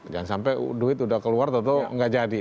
jangan sampai duit udah keluar teteh gak jadi